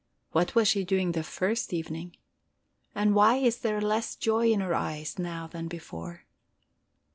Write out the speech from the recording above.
What was she doing the first evening? And why is there less joy in her eyes now than before?